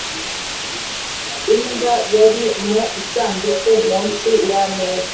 Imbwa yari mu isanduku munsi yameza.